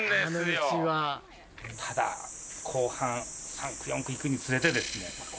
ただ後半３区４区行くにつれて。